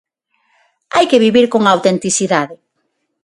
Hai que vivir con autenticidade.